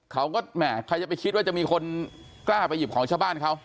แหมใครจะไปคิดว่าจะมีคนกล้าไปหยิบของชาวบ้านเขา